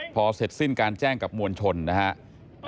พอเสร็จสิ้นการแจ้งกับมวลชนนะครับ